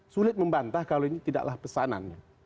sulit membantah kalau ini tidaklah pesanannya